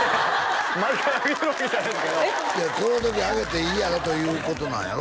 毎回あげるわけじゃないですけどこの時あげていいやろということなんやろ？